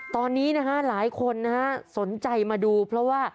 ตอนนี้นะฮะหลายคนนะฮะสนใจมาดูเพราะว่า